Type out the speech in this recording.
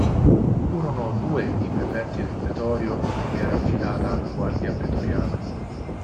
Furono due i prefetti del pretorio a cui era affidata la guardia pretoriana.